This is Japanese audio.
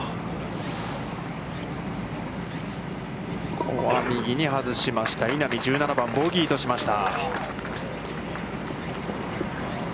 ここは右に外しました、稲見、１７番ボギーとしました。